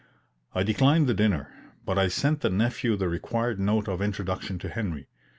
I declined the dinner, but I sent the nephew the required note of introduction to Henry.